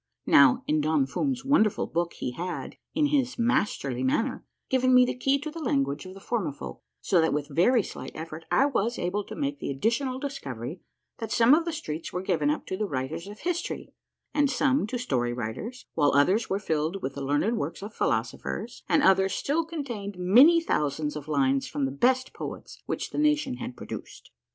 Now, in Don Fum's wonderful book he had, in his masterly manner, given me the key to the language of the Formifolk, so that with very slight effort I was able to make the additional discovery that some of the streets were given up to the writers of histoiy, and some to story writers, while others were filled with the learned works of philosophers, and others still contained many thousands oi lines from the best poets which the nation had produced.